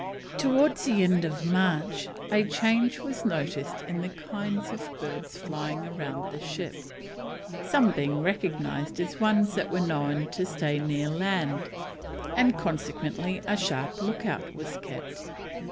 Towards the end of March a change was noticed in the kinds of birds flying round the ship, some being recognised as ones that were known to stay near land, and consequently a sharp look out was kept.